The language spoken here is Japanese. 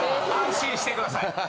安心してください。